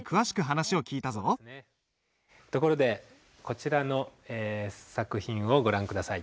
ところでこちらの作品をご覧下さい。